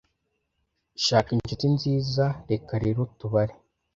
shaka inshuti nziza reka rero tubare